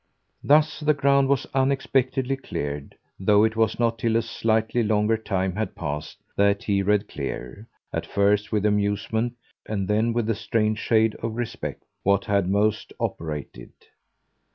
Thus the ground was unexpectedly cleared; though it was not till a slightly longer time had passed that he read clear, at first with amusement and then with a strange shade of respect, what had most operated.